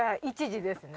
１時ですね